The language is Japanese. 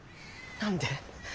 何で？